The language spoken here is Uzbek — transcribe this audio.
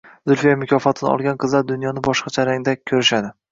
Zulfiya mukofotini olgan qizlar dunyoni boshqacha ranglarda ko‘rishadi.